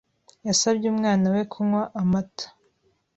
Yasabye umwana we kunywa amata.